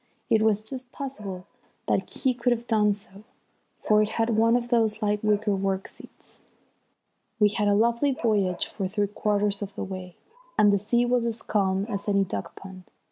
It was just possible that he could have done so, for it had one of those light wicker work seats. We had a lovely voyage for three quarters of the way, and the sea was as calm as any duck pond.